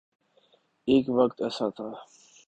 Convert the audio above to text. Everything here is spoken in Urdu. ایک وقت ایسا تھا۔